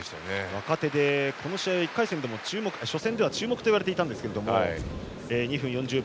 若手で、この試合初戦では注目といわれていましたが２分４０秒